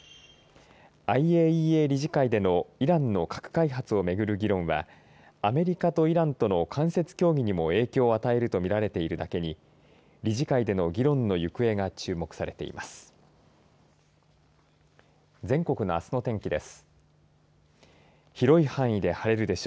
ＩＡＥＡ理事会でのイランの核開発をめぐる議論はアメリカとイランとの間接協議にも影響を与えるとみられているだけに理事会での議論の行方が注目されています。